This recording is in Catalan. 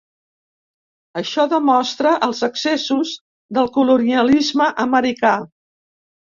Això demostra els excessos del colonialisme americà.